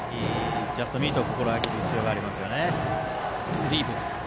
ジャストミートを心がける必要がありますね。